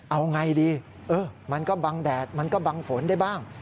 เอาไงดีมันก็บังแดดมันก็บังฝนได้บ้าง